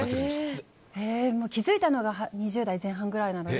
気づいたのが２０代前半ぐらい。